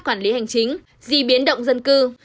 quản lý hành chính di biến động dân cư